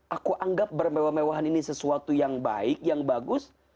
aku anggap bermewah mewahan ini sesuatu yang baik yang bagus